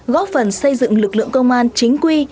góp phần xây dựng lực lượng công an chính quy